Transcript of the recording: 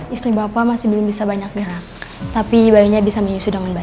istri bapak masih belum bisa banyak gerak tapi bayunya bisa menyusuh dengan enak